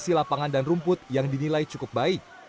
kondisi lapangan dan rumput yang dinilai cukup baik